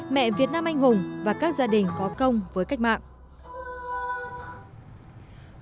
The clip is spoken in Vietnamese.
mẹ việt nam anh hùng và các gia đình có công với cách mạng